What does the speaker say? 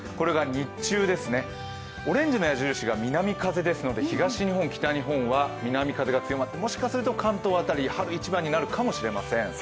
日中、オレンジの矢印が南風ですので東日本、北日本は南風が強まってもしかすると関東辺り春一番になるかもしれません。